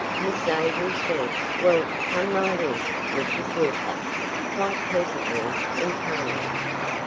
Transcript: Miss Avery said, "Well, come right in, Mrs. Wilcox!" quite pleasantly and calmly.